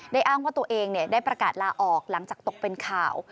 อ้างว่าตัวเองได้ประกาศลาออกหลังจากตกเป็นข่าว